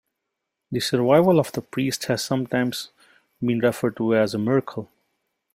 The survival of the priests has sometimes been referred to as a miracle.